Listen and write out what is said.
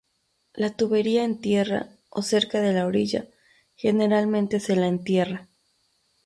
La tubería en tierra, o cerca de la orilla, generalmente se la entierra.